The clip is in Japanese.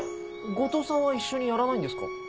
後藤さんは一緒にやらないんですか？